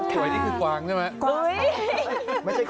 สวยที่คือซ้าใช่มั้ย